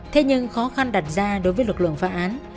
thế nhưng khó khăn đặt ra đối với lực lượng phá án